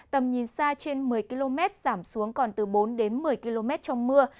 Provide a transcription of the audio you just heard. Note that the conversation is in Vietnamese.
tầm nhìn xa trên một mươi km giảm xuống còn từ bốn đến một mươi km trong mưa